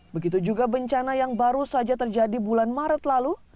begitu juga bencana yang baru saja terjadi bulan maret lalu